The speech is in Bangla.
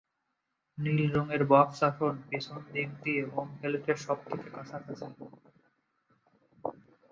নীল রঙের "বক্স আসন" পিছন দিক দিয়ে হোম প্লেটের সবচেয়ে কাছাকাছি।